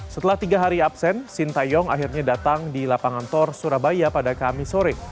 setelah tiga hari absen sintayong akhirnya datang di lapangan tor surabaya pada kamis sore